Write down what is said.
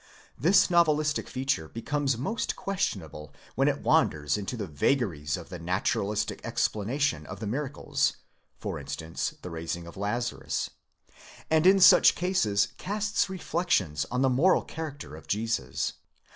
This novelistic feature becomes most questionable when it wanders into the vagaries of the naturalistic explanation of the miracles (e.g. the raising of Lazarus), and in such cases casts reflections on the moral character of Jesus.